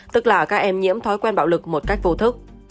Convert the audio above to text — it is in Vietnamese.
tức là các em nhiễm thói quen bạo lực một cách vô thức